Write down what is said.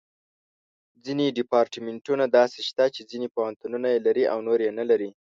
ځینې ډیپارټمنټونه داسې شته چې ځینې پوهنتونونه یې لري او نور یې نه لري.